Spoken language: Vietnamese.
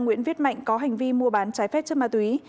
nguyễn viết mạnh có hành vi mua bán trái phép chất ma túy